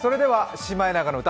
「シマエナガの歌」